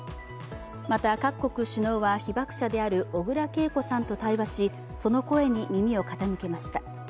また、各国首脳は被爆者である小倉桂子さんと対話しその声に耳を傾けました。